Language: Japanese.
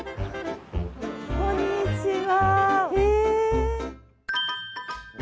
こんにちは。